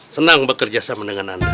senang bekerja sama dengan anda